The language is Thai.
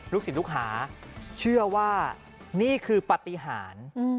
ศิลปลูกหาเชื่อว่านี่คือปฏิหาร